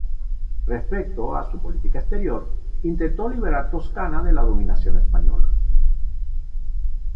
Respecto a su política exterior, intentó liberar Toscana de la dominación española.